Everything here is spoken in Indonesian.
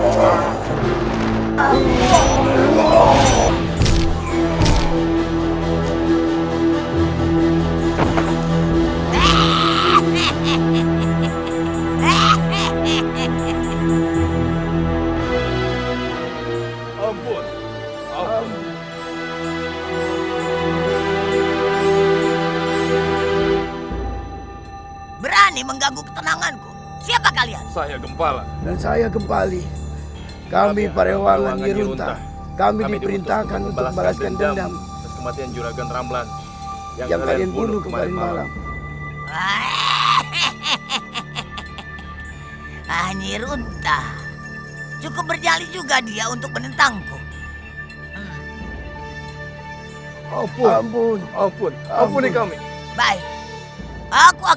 ternyata itu adalah siluman harimau